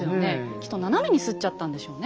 きっと斜めにすっちゃったんでしょうね